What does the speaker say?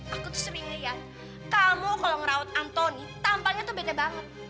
aku tuh sering ngeliat kamu kalau ngerawat antoni tampaknya tuh beda banget